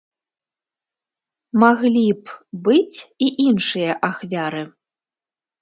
Маглі б быць і іншыя ахвяры.